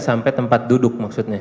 sampai tempat duduk maksudnya